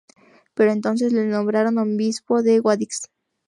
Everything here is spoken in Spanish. Pero entonces le nombraron obispo de Guadix.